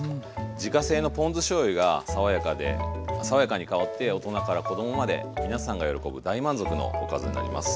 自家製のポン酢しょうゆが爽やかに香って大人から子供まで皆さんが喜ぶ大満足のおかずになります。